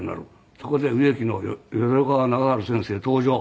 そこで植木の淀川長治先生登場。